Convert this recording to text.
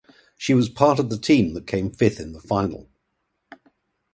She was part of the team that came fifth in the final.